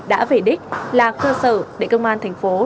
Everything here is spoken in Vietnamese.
đã về đích là cơ sở để công an thành phố